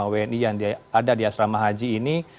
empat puluh lima wni yang ada di asrama haji ini